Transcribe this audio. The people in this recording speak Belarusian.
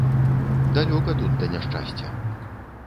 Далёка тут да няшчасця.